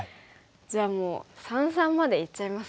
じゃあもう三々までいっちゃいますか。